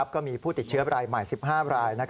ก็มีผู้ติดเชื้อรายใหม่๑๕ราย